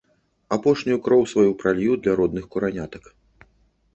Апошнюю кроў сваю пралью для родных куранятак.